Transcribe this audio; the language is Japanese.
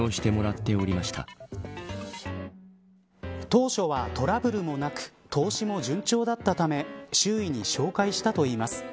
当初は、トラブルもなく投資も順調だったため周囲に紹介したといいます。